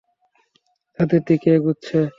ছাদের দিকে এগুচ্ছে।